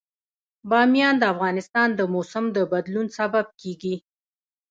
بامیان د افغانستان د موسم د بدلون سبب کېږي.